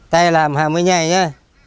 tay làm hà mới nhai nha